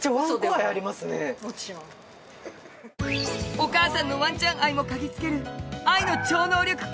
「お母さんのワンちゃん愛も嗅ぎつける愛の超能力犬